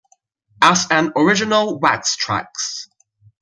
As an original Wax Trax!